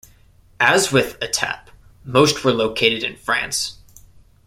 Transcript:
As with Etap, most were located in France.